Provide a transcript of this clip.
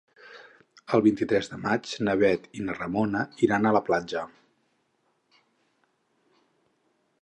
El vint-i-tres de maig na Bet i na Ramona iran a la platja.